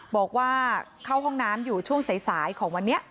บอกว่าเข้าห้องน้ำอยู่ช่วงสายของวันนี้